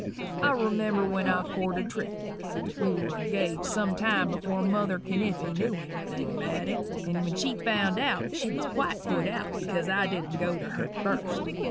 I remember when I courted Trypheny, we were engaged some time before mother Kenipe knew anything about it, and when she found it out she was quite put out because I dident go to her first.